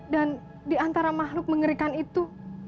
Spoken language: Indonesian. dan di antara makhluk mengerikan itu